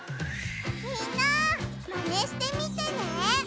みんなマネしてみてね！